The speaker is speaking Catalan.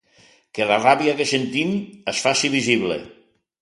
Que la ràbia que sentim es faci visible.